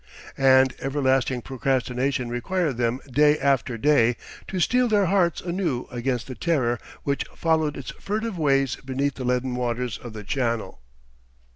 And everlasting procrastination required them day after day to steel their hearts anew against that Terror which followed its furtive ways beneath the leaden waters of the Channel!